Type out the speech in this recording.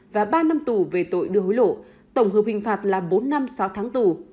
và ba năm tù về tội đưa hối lộ tổng hợp hình phạt là bốn năm sáu tháng tù